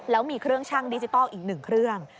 แล้วมีเครื่องชั่งดิจิทัลอีก๑เครื่อง